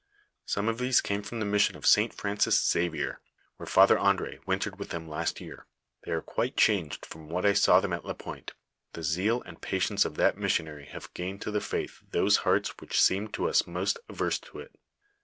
Some of these came from the mission of St. Francis Xavier, where Father Andr^ wintered with them last year ; they are quite changed from what I saw them at Lapointe ; the zeal and patience of that missionary have gained to the faith those hearts which seemed to us most averse to it.